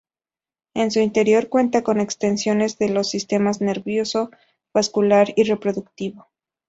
En su interior cuentan con extensiones de los sistemas nervioso, vascular y reproductivo.